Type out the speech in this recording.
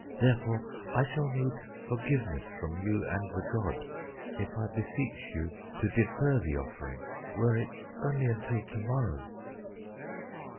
Therefore, I shall need forgiveness from you and the god, if I beseech you to defer the offering, were it only until to morrow."